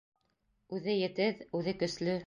Үҙе етеҙ, үҙе көслө!